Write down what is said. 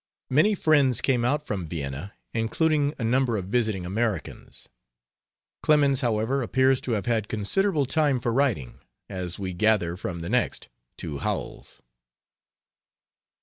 Many friends came out from Vienna, including a number of visiting Americans. Clemens, however, appears to have had considerable time for writing, as we gather from the next to Howells.